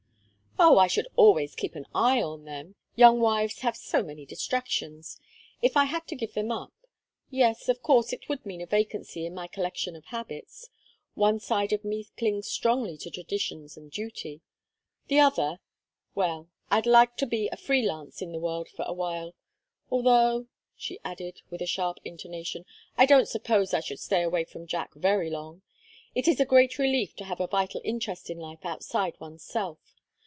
"Oh, I should always keep an eye on them; young wives have so many distractions. If I had to give them up yes, of course it would mean a vacancy in my collection of habits; one side of me clings strongly to traditions and duty. The other well, I'd like to be a free lance in the world for a while although," she added, with a sharp intonation, "I don't suppose I should stay away from Jack very long. It is a great relief to have a vital interest in life outside one's self.